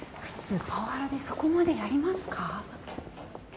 普通パワハラでそこまでやりますか？